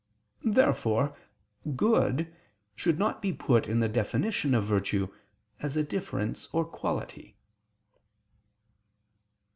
Therefore "good" should not be put in the definition of virtue, as a difference of quality.